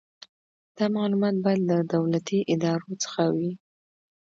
دا معلومات باید له دولتي ادارو څخه وي.